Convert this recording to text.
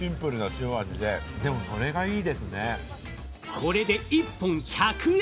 これで１本１００円。